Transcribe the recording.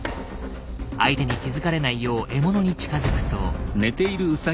相手に気付かれないよう獲物に近づくと。